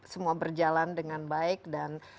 semua berjalan dengan baik dan